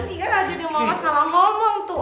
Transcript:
iya ada yang salah ngomong tuh